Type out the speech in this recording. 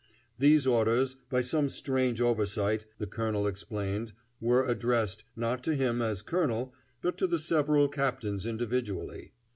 These orders, by some strange oversight, the colonel explained, were addressed, not to him as colonel, but to the several captains individually.